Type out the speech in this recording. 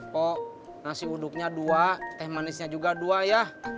pok nasi uduknya dua teh manisnya juga dua ya